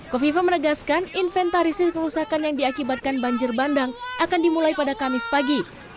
kofifa menegaskan inventarisir kerusakan yang diakibatkan banjir bandang akan dimulai pada kamis pagi